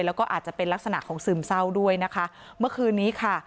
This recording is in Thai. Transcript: แล้วก็อาจจะเป็นลักษณะของซึมเศร้าด้วยนะคะเมื่อคืนนี้ค่ะ